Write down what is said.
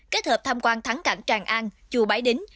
kết hợp tham quan thắng cảnh tràng an chùa bái đính